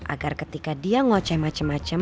agar ketika dia ngoceh macem macem